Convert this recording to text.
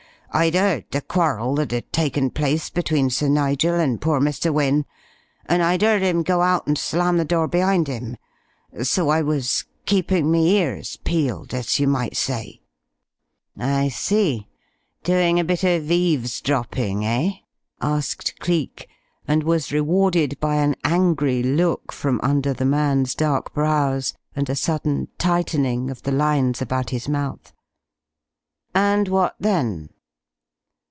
I'd 'eard the quarrel that 'ad taken place between Sir Nigel and poor Mr. Wynne, and I'd 'eard 'im go out and slam the door be'ind 'im. So I was keeping me ears peeled, as you might say." "I see. Doing a bit of eavesdropping, eh?" asked Cleek, and was rewarded by an angry look from under the man's dark brows and a sudden tightening of the lines about his mouth. "And what then?"